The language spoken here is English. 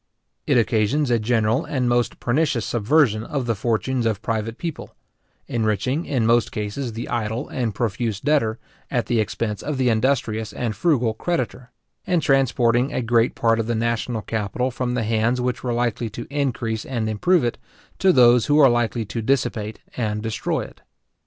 It occasions a general and most pernicious subversion of the fortunes of private people; enriching, in most cases, the idle and profuse debtor, at the expense of the industrious and frugal creditor; and transporting a great part of the national capital from the hands which were likely to increase and improve it, to those who are likely to dissipate and destroy it.